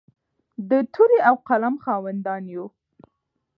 د تورې او قلم خاوندان یو.